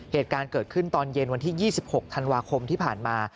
เหตุการณ์เกิดขึ้นตอนเย็นวันที่๒๖ธันวาคมที่ผ่านมา